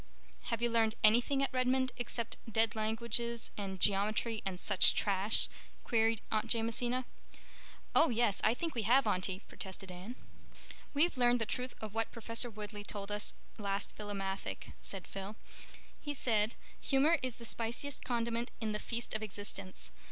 "Have you learned anything at Redmond except dead languages and geometry and such trash?" queried Aunt Jamesina. "Oh, yes. I think we have, Aunty," protested Anne. "We've learned the truth of what Professor Woodleigh told us last Philomathic," said Phil. "He said, 'Humor is the spiciest condiment in the feast of existence.